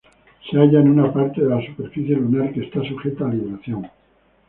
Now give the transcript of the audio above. Se halla en una parte de la superficie lunar que está sujeta a libración.